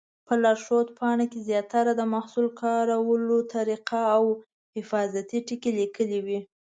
په لارښود پاڼه کې زیاتره د محصول کارولو طریقه او حفاظتي ټکي لیکلي وي.